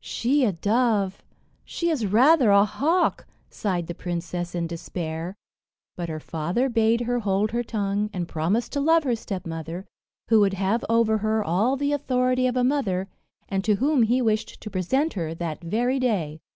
"She a dove! she is rather a hawk," sighed the princess in despair; but her father bade her hold her tongue, and promise to love her stepmother, who would have over her all the authority of a mother, and to whom he wished to present her that very day.